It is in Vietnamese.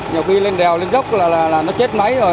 nhiều khi lên đèo lên gốc là nó chết máy rồi